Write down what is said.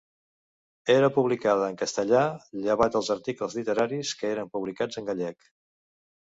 Era publicada en castellà, llevat els articles literaris, que eren publicats en gallec.